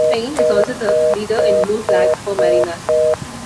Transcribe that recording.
Spain is also the leader in blue flags for marinas.